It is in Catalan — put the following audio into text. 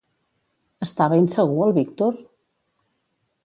Estava insegur el Víctor?